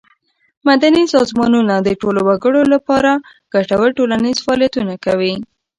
مدني سازمانونه د ټولو وګړو له پاره ګټور ټولنیز فعالیتونه کوي.